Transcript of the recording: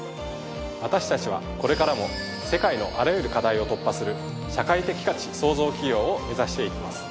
私たちはこれからも世界のあらゆる課題を突破する社会的価値創造企業を目指して行きます。